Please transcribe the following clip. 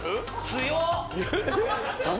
強っ！